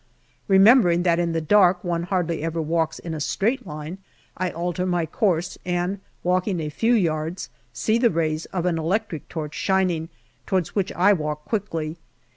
Remembering that in the dark one hardly ever walks in a straight line, I alter my course, and walking a few yards, see the rays of an electric torch shining, towards which I walk quickly.